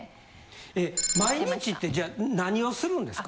え毎日ってじゃあ何をするんですか？